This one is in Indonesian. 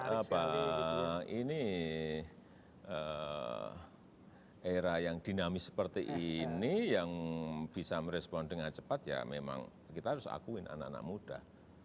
ya sekali lagi itu kan ini kan apa ini era yang dinamis seperti ini yang bisa merespon dengan cepat ya memang kita harus akuin anak anak muda